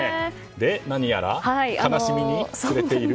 何やら、悲しみに暮れている？